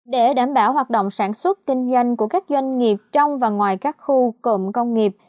để đảm bảo hoạt động sản xuất kinh doanh của các doanh nghiệp trong và ngoài các khu cụm công nghiệp